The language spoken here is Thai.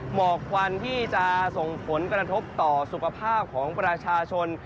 หมอกควันที่จะส่งผลกระทบต่อสุขภาพของประชาชน